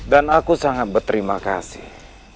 dan aku sangat berterima kasih